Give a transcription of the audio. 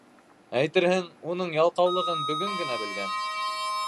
Әйтерһең, уның ялҡаулығын бөгөн генә белгән!